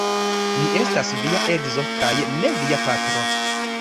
Mi estas via edzo kaj ne via patro.